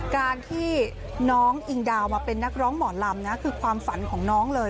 การที่น้องอิงดาวมาเป็นนักร้องหมอลำนะคือความฝันของน้องเลย